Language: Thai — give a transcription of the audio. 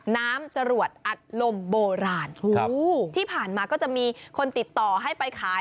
จรวดอัดลมโบราณที่ผ่านมาก็จะมีคนติดต่อให้ไปขาย